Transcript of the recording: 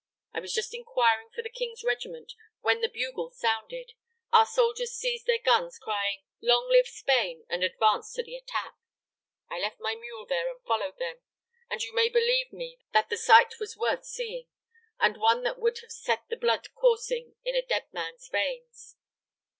I was just inquiring for the King's regiment, when the bugle sounded, our soldiers seized their guns, crying, 'Long live Spain!' and advanced to the attack. I left my mule there and followed them; and you may believe me that the sight was worth seeing, and one that would have set the blood coursing in a dead man's veins.